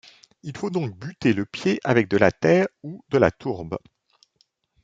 Il faut donc butter le pied avec de la terre ou de la tourbe.